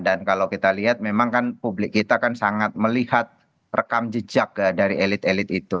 dan kalau kita lihat memang kan publik kita kan sangat melihat rekam jejak dari elit elit itu